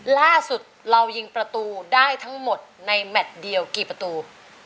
ล่าสุดเรายิงประตูได้ทั้งหมดในแมทเดียวกี่ประตู